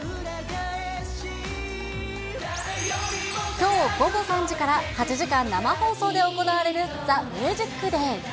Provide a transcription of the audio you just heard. きょう午後３時から８時間生放送で行われるＴＨＥＭＵＳＩＣＤＡＹ。